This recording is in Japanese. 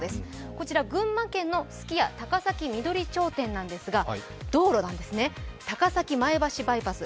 こちら、群馬県のすき家高崎緑町店なんですが、道路なんですね、高崎前橋バイパス